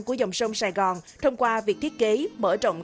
của dòng sông sài gòn thông qua việc thiết kế mở rộng các dịch vụ trải nghiệm văn hóa